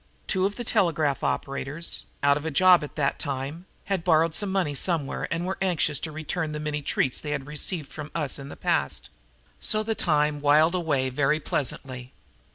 Two of the telegraph operators, out of a job at that time, had borrowed some money somewhere and were anxious to return the many treats they had received from us in the past. So the time whiled away very pleasantly.